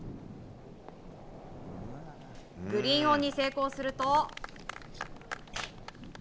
グリーンオンに成功すると。